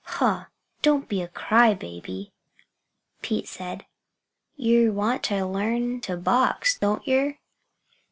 "Huh! Don't be a cry baby!" Pete said. "Yer want ter learn ter box, don't yer?"